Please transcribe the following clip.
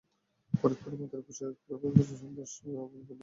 ফরিদপুর, মাদারীপুর, শরীয়তপুরের এসব বাস যাওয়ার পথে যানজটে পড়ছে জুরাইন এলাকায়।